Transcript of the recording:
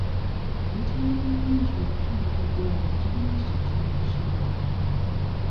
Emitendera emingi mu kutandika eddwaliro gya nnemesa ekirooto kyange.